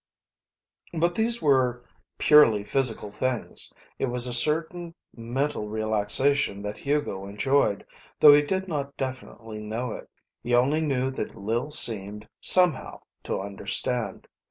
But these were purely physical things. It was a certain mental relaxation that Hugo enjoyed, though he did not definitely know it. He only knew that Lil seemed, somehow, to understand.